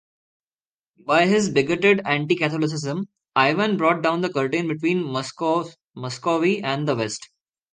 By his bigoted anti-Catholicism Ivan brought down the curtain between Muscovy and the west.